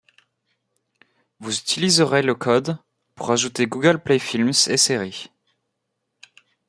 Vous utiliserez le code pour ajouter Google Play Films et séries.